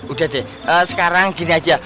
udah deh sekarang gini aja